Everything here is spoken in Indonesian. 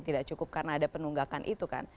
tidak cukup karena ada penunggakan itu kan